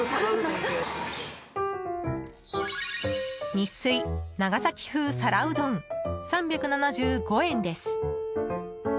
ニッスイ長崎風皿うどん３７５円です。